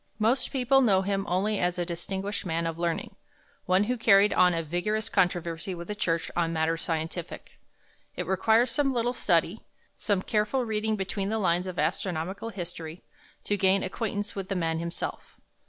Most people know him only as a distinguished man of learning; one who carried on a vigorous controversy with the Church on matters scientific. It requires some little study, some careful reading between the lines of astronomical history, to gain acquaintance with the man himself.